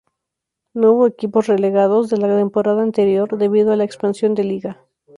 No hubo equipos relegados de la temporada anterior, debido a la expansión de liga.